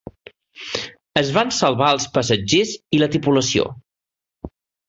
Es van salvar els passatgers i la tripulació.